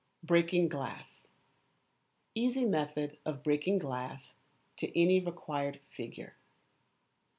Breaking Glass. Easy method of breaking glass to any required Figure.